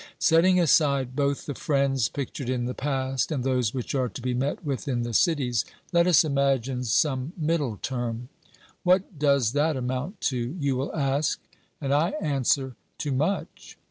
Setting aside both the friends pictured in the past and those which are to be met with in the cities, let us 352 OBERMANN imagine some middle term. What does that amount to ? you will ask, and I answer, to much.